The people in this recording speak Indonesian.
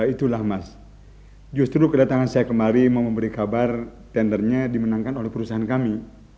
itulah mas justru kedatangan saya kemari mau memberi kabar tendernya dimenangkan oleh perusahaan kami